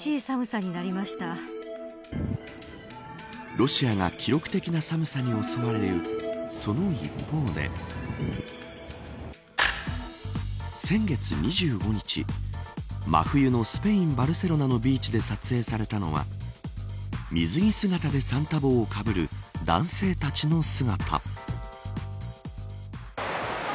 ロシアが記録的な寒さに襲われるその一方で先月２５日真冬のスペイン、バルセロナのビーチで撮影されたのは水着姿でサンタ帽をかぶる男性たちの姿。